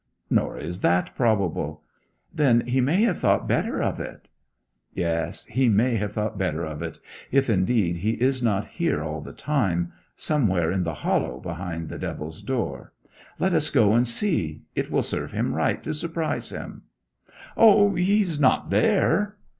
'Nor is that probable.' 'Then he may have thought better of it.' 'Yes, he may have thought better of it; if, indeed, he is not here all the time somewhere in the hollow behind the Devil's Door. Let us go and see; it will serve him right to surprise him.' 'O, he's not there.'